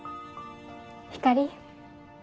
ひかり。